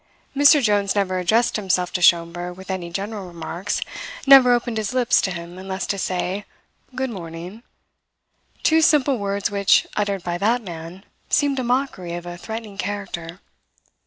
Mr. Jones never addressed himself to Schomberg with any general remarks, never opened his lips to him unless to say "Good morning" two simple words which, uttered by that man, seemed a mockery of a threatening character.